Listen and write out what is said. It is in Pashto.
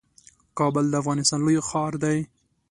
کابل د افغانستان لوی ښار دئ